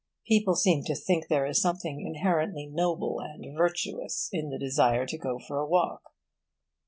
People seem to think there is something inherently noble and virtuous in the desire to go for a walk.